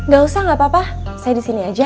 gak usah gak apa apa saya di sini aja